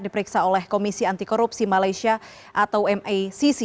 diperiksa oleh komisi antikorupsi malaysia atau macc